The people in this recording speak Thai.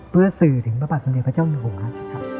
เพื่อสื่อถึงประปัตย์สำเร็จพระเจ้าหนูนะครับ